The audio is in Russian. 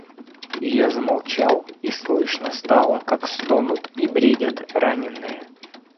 И я замолчал, и слышно стало, как стонут и бредят раненые.